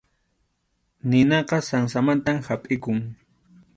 Ninaqa sansamanta hapʼikun.